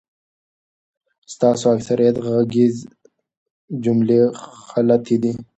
ستاسو اکثریت غږیز جملی خلطی دی